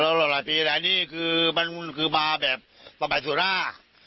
รอบได้หลายปีแต่นี่คือมันคือมาแบบสมัยสูตรหน้า